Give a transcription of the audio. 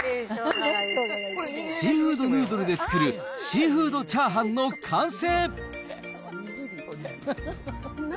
シーフードヌードルで作る、シーフードチャーハンの完成。